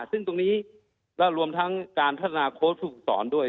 ซึ่งตรงนี้และรวมทั้งการพัฒนาโค้ชผู้ฝึกสอนด้วย